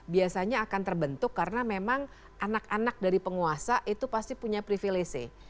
biasanya akan terbentuk karena memang anak anak dari penguasa itu pasti punya privilege